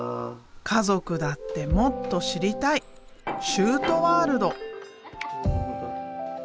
家族だってもっと知りたい修杜ワールド。